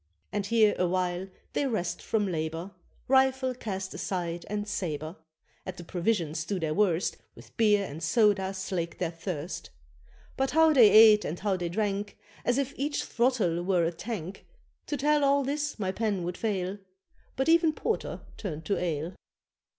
And here awhile they rest from labour, Rifle cast aside and sabre; At the provisions do their worst, With beer and soda slake their thirst; But how they ate and how they drank, As if each throttle were a tank To tell all this my pen would fail; But even Porter turned to ale.